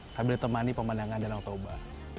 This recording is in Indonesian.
sambil ditemani pemandangan danau toba